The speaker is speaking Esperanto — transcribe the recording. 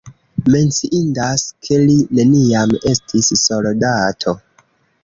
Menciindas, ke li neniam estis soldato.